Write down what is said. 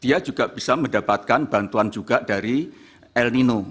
dia juga bisa mendapatkan bantuan juga dari el nino